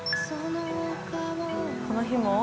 この日も？